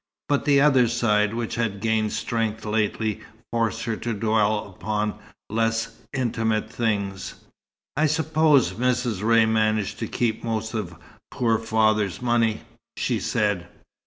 But the other side, which had gained strength lately, forced her to dwell upon less intimate things. "I suppose Mrs. Ray managed to keep most of poor father's money?" she said.